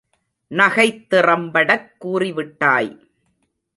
நகைத்திறம் படக் கூறிவிட்டாய்.